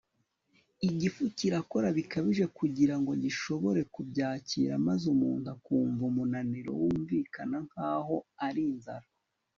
igifu kirakora bikabije kugira ngo gishobore kubyakira, maze umuntu akumva umunaniro wumvikana nk'aho ari inzara